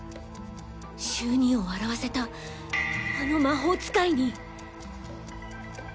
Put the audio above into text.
秀兄を笑わせたあの魔法使いに！